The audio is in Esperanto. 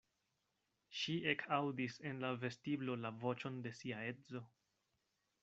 Ŝi ekaŭdis en la vestiblo la voĉon de sia edzo.